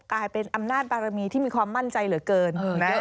กลายเป็นอำนาจบารมีที่มีความมั่นใจเหลือเกินนะ